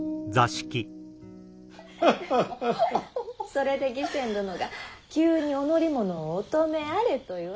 それで義仙殿が急にお乗り物をお止めあれと言われて。